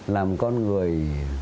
là một con người